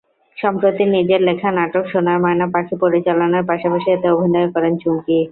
সম্প্রতি নিজের লেখা নাটক সোনার ময়না পাখি পরিচালনার পাশাপাশি এতে অভিনয়ও করেন চুমকী।